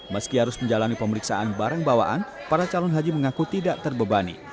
meski harus menjalani pemeriksaan barang bawaan para calon haji mengaku tidak terbebani